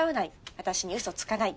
私に嘘つかない。